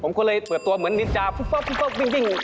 ผมก็เลยเปิดตัวเหมือนนินจาปุ๊บวิ่ง